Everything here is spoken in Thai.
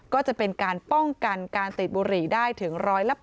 ก็จะเป็นการป้องกันการติดบุหรี่ได้ถึง๑๘๐